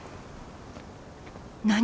何？